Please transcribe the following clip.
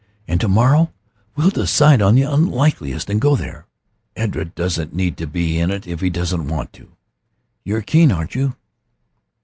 And to morrow we'll decide on the unlikeliest and go there. Edred needn't be in it if he doesn't want to. You're keen, aren't you?"